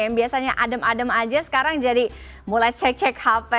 yang biasanya adem adem aja sekarang jadi mulai cek cek hp